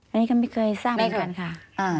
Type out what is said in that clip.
อันนี้ก็ไม่เคยสร้างมานานค่ะ